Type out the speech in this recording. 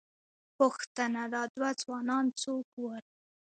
پوښتنه، دا دوه ځوانان څوک ول؟